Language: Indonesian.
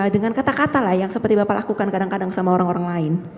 dengan kata kata lah yang seperti bapak lakukan kadang kadang sama orang orang lain